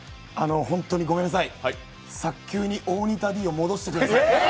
本当にごめんなさい、早急に大仁田Ｄを戻してください。